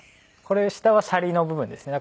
これ下はシャリの部分ですね。